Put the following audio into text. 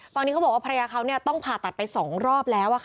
ตอนนี้เขาบอกว่าภรรยาเขาต้องผ่าตัดไป๒รอบแล้ว